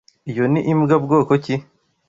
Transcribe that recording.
Iyo ni imbwa bwoko ki?